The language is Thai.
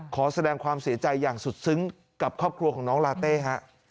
ขอแสดงความเสียใจอย่างสุดซึ้งกับครอบครัวของน้องลาเต้ฮะ